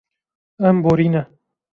Em borîne.